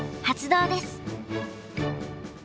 発動です。